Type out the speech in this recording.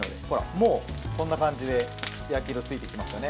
もう、こんな感じで焼き色がついてきましたね。